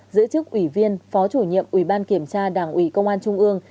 giữ chức ủy viên phó chủ nhiệm ủy ban kiểm tra đảng ủy công an trung ương